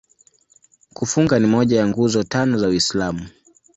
Kufunga ni moja ya Nguzo Tano za Uislamu.